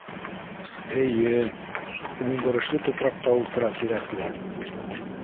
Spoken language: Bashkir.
Эйе-е... уңдырышлы тупраҡта ултыра Тирәкле.